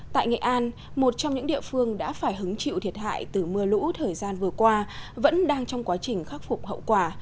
tại nghệ an một trong những địa phương đã phải hứng chịu thiệt hại từ mưa lũ thời gian vừa qua vẫn đang trong quá trình khắc phục hậu quả